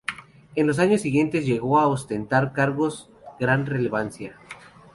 En los años siguientes llegó a ostentar cargos gran relevancia.